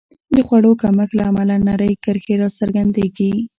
د خوړو کمښت له امله نرۍ کرښې راڅرګندېږي.